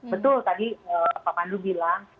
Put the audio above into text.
betul tadi pak pandu bilang